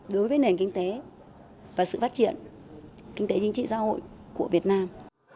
đối với nền kinh tế và sự phát triển kinh tế chính trị xã hội của việt nam